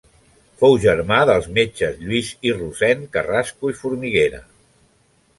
Fou germà dels metges Lluís i Rossend Carrasco i Formiguera.